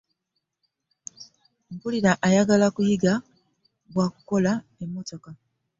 Mpulira njagala kuyiga bwebakola emmotoka.